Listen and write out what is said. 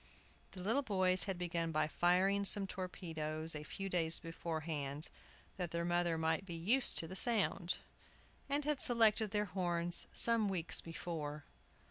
The little boys had begun by firing some torpedoes a few days beforehand, that their mother might be used to the sound, and had selected their horns some weeks before.